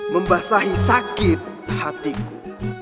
membasahi sakit hatiku